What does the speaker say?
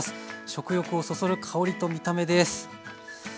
食欲をそそる香りと見た目です。